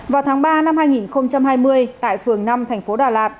vào tháng ba năm hai nghìn hai mươi tại phường năm thành phố đà lạt